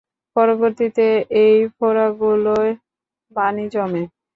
পরবর্তীতে এই ফোড়াগুলোয় পানি জমে।